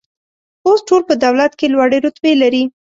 اوس ټول په دولت کې لوړې رتبې لري.